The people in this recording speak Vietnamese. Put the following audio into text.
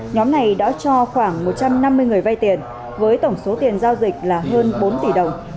nhóm này đã cho khoảng một trăm năm mươi người vay tiền với tổng số tiền giao dịch là hơn bốn tỷ đồng